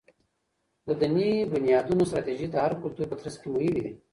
د دینی بنیادونو ستراتیژۍ د هر کلتور په ترڅ کي مهمي دي.